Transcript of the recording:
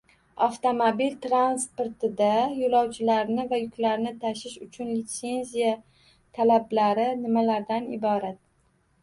Avtomobil transportida yo‘lovchilarni va yuklarni tashish uchun litsenziya talablari nimalardan iborat?